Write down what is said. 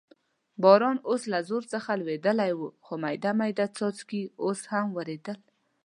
باران اوس له زور څخه لوېدلی و، خو مېده مېده څاڅکي اوس هم ورېدل.